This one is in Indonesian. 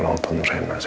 anda terbayar ya